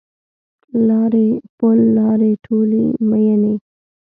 لارې پل لارې ټولي میینې